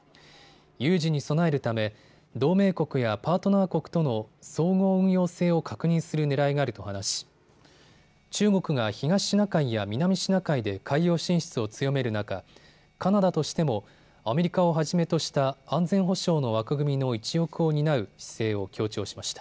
有事に備えるため同盟国やパートナー国との総合運用性を確認するねらいがあると話し、中国が東シナ海や南シナ海で海洋進出を強める中、カナダとしてもアメリカをはじめとした安全保障の枠組みの一翼を担う姿勢を強調しました。